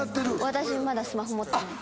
私まだスマホ持ってない。